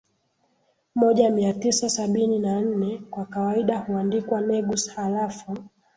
moja Mia tisa sabini na nne kwa kawaida huandikwa Negus Halafu